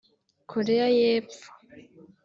Koreya y’Epfo